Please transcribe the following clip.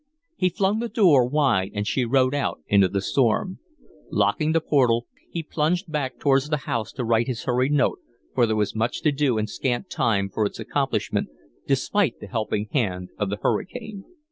He flung the door wide and she rode out into the storm. Locking the portal, he plunged back towards the house to write his hurried note, for there was much to do and scant time for its accomplishment, despite the helping hand of the hurricane.